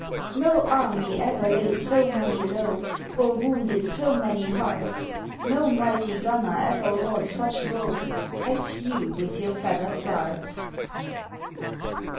No army e'er laid so many low Or wounded so many hearts, No mighty gunner e'er wrought such woe As you with your feathered darts.